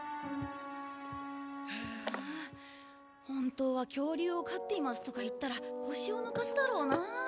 本当は恐竜を飼っていますとか言ったら腰を抜かすだろうなあ。